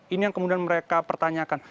ini yang kemudian mereka pertanyakan